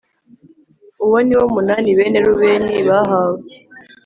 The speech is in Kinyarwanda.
uwo ni wo munani bene rubeni bahawe